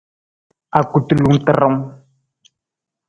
Akutulung tiirung.